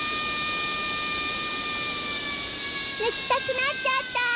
ぬきたくなっちゃった！